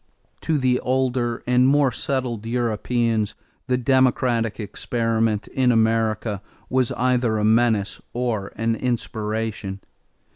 = To the older and more settled Europeans, the democratic experiment in America was either a menace or an inspiration.